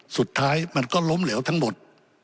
สุดท้ายมันก็ล้มเหลวทั้งหมด